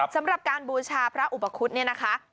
สำหรับการบูชาพระอุปคุฎเนี่ยนะคะ